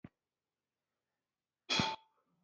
علم او پوه د انسان ګاڼه ده